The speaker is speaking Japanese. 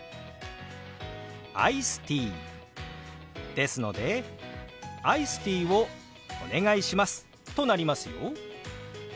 「アイスティー」ですので「アイスティーをお願いします」となりますよ。